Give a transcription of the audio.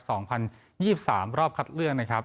สองพันยี่สิบสามรอบคัดเลือกนะครับ